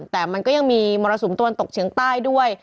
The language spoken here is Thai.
แต่มันก็ยังมีมรสุมตะวันตกเฉียงใต้ด้วย